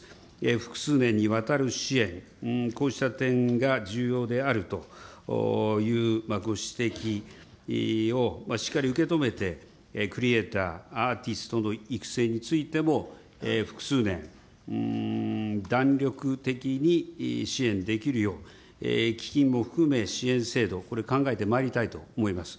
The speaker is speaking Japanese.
複数年にわたる支援、こうした点が重要であるというご指摘をしっかり受け止めて、クリエーター、アーティストの育成についても複数年、弾力的に支援できるよう、基金も含め支援制度、これ、考えてまいりたいと思います。